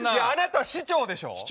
あなた市長でしょ！